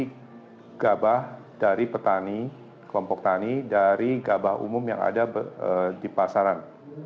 kami membeli gabah dari petani kompok tani dari gabah umum yang ada di pasaran